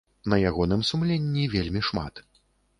На ягоным сумленні вельмі шмат.